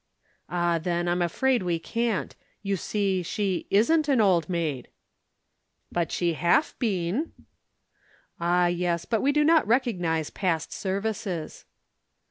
"Ah, then, I am afraid we can't. You see she isn't an old maid!" "But she haf been." "Ah, yes, but we do not recognize past services."